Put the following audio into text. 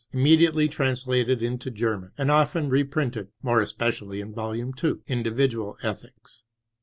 immediately translated into Ger man, and often reprinted, more especially in vol. 2, Individual Ethics.